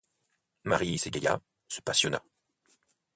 Marie s'égaya, se passionna.